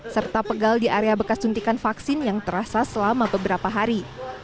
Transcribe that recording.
serta pegal di area bekas suntikan vaksin yang terasa selama beberapa hari